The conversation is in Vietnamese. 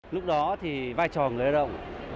lúc đó thì vai trò của người ta rất là nhiều